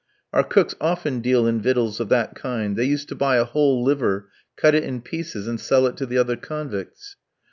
Our cooks often deal in victuals of that kind; they used to buy a whole liver, cut it in pieces, and sell it to the other convicts.